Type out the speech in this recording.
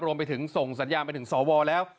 รวมไปถึงส่งสัญญาณไปถึงสวแล้ว